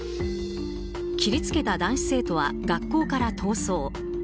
切りつけた男子生徒は学校から逃走。